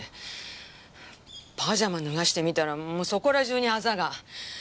パジャマ脱がしてみたらもうそこら中にアザが。